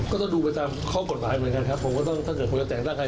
ก็จะดูประจำข้อกฎหมายเหมือนกันครับผมถ้าเกิดผ่วนและแต่งจังให้